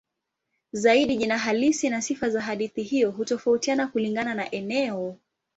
Zaidi jina halisi na sifa za hadithi hiyo hutofautiana kulingana na eneo.